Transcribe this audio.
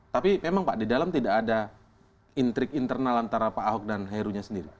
tapi memang pak di dalam tidak ada intrik internal antara pak ahok dan heru nya sendiri